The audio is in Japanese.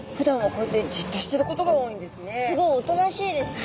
すごいおとなしいですね。